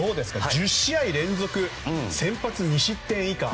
１０試合連続先発２失点以下。